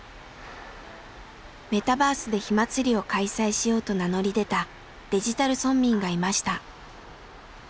メタバースで火まつりを開催しようと名乗り出たデジタル村民がいました。